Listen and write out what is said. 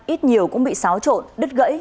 ít nhiều cũng bị xáo trộn đứt gãy